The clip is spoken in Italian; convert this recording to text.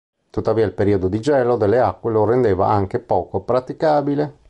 Tuttavia il periodo di gelo delle acque lo rendeva anche poco praticabile.